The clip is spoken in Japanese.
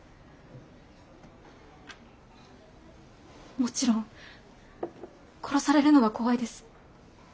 もちろん殺されるのは怖いです。